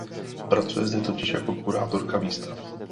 Pracuje zde totiž jako kurátorka výstav.